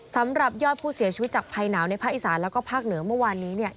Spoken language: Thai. สำหรับยอดผู้เสียชีวิตจากภัยหนาวในภาคอีสานแล้วก็ภาคเหนือเมื่อวานนี้เนี่ย